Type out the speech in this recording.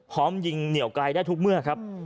พร้อมยิงเหนียวไกลได้ทุกเมื่อครับ